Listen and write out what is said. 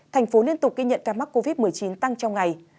thành phố liên tục ghi nhận ca mắc covid một mươi chín tăng trong ngày